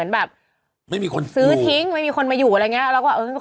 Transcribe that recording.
แบบไม่มีคนซื้อทิ้งไม่มีคนมาอยู่อะไรอย่างเงี้ยแล้วก็เออ